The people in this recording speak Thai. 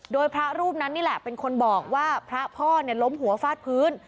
โดยพระรูปนั้นนี่แหละเป็นคนบอกว่าพระพ่อล้มหัวฟาดพื้น